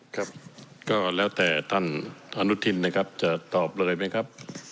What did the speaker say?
ครับก็แล้วแต่ท่านอนุทินนะครับจะตอบเลยไหมครับ